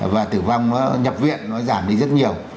và tử vong nhập viện nó giảm đi rất nhiều